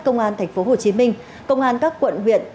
công an tp hcm công an các quận huyện